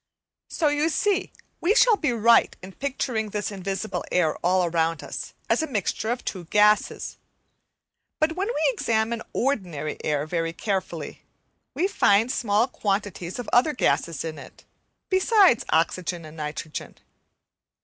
So, you see, we shall be right in picturing this invisible air all around us as a mixture of two gases. But when we examine ordinary air very carefully, we find small quantities of other gases in it, besides oxygen and nitrogen.